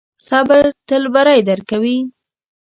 صبر تل بری درکوي.